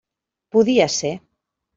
Podia ser.